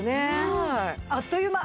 あっという間。